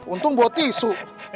untung bawa tisu